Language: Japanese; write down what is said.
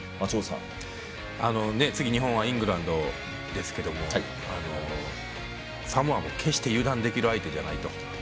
次、日本はイングランドですけれどサモアも決して油断できる相手じゃないと。